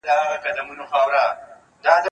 زه اجازه لرم چي د کتابتون د کار مرسته وکړم!.